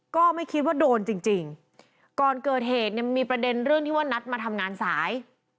ก็ไม่คิดว่าโดนจริงจริงก่อนเกิดเหตุเนี่ยมีประเด็นเรื่องที่ว่านัดมาทำงานสาย